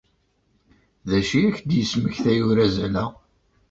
D acu ay ak-d-yesmektay urazal-a?